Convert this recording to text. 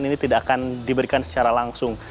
ini tidak akan diberikan secara langsung